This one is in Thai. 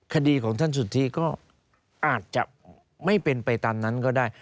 คดีของท่านสุธิก็อาจจะไม่เป็นไปตามนั้นก็ได้